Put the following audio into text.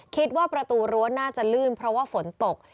คิดว่าประตูรั้วน่าจะลื่นเพราะว่าฝนตก